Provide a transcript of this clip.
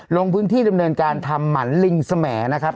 ลงพื้นที่ดำเนินการทำหมันลิงสมนะครับ